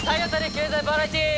経済バラエティー。